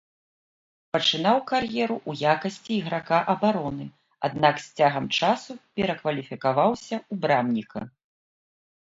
Пачынаў кар'еру ў якасці іграка абароны, аднак з цягам часу перакваліфікаваўся ў брамніка.